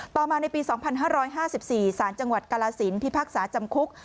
ต่อมาในปี๒๕๕๔สารจังหวัดกาลสินพิพากษาจำคุก